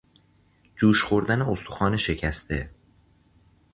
جوش خوردن استخوان شکسته